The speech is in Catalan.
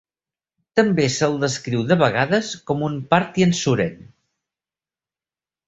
També se'l descriu de vegades com un Parthian Suren.